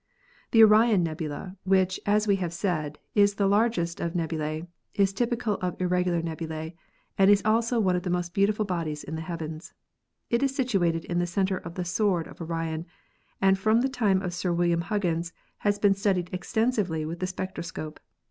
The Orion nebula, which, as we have said, is the largest of nebulae, is typical of irregular nebulae and is also one of the most beautiful bodies in the heavens. It is situated in the center of the "sword" of Orion and from the time of Sir William Huggins has been studied extensively with the spectroscope.